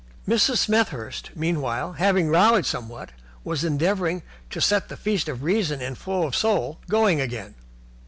Mrs. Smethurst, meanwhile, having rallied somewhat, was endeavouring to set the feast of reason and flow of soul going again.